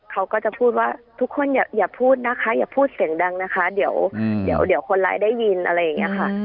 เขาก็จะพูดว่าทุกคนอย่าพูดนะคะอย่าพูดเสียงดังนะคะเดี๋ยวคนร้ายได้ยินอะไรอย่างนี้ค่ะ